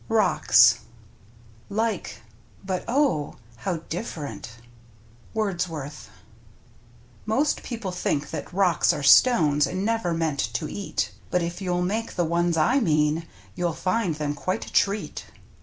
" ROCKS " Like, but oh! how different. — Wordsworth. Most people think that rocks are stones And never meant to eat, But if you'll make the ones I mean, You'll find them quite a treat.